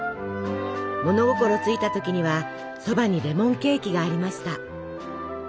物心ついた時にはそばにレモンケーキがありました。